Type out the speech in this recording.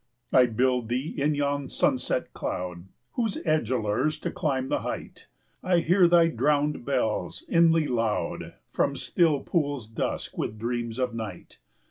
I build thee in yon sunset cloud, Whose edge allures to climb the height; 50 I hear thy drowned bells, inly loud, From still pools dusk with dreams of night.